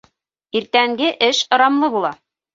Иртәнге эш ырымлы була.